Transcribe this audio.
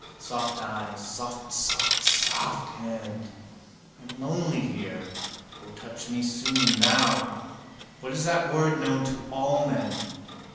Soft eyes. Soft soft soft hand. I am lonely here. O, touch me soon, now. What is that word known to all men?